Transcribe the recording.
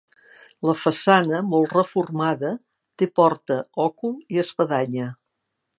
La façana, molt reformada, té porta, òcul i espadanya.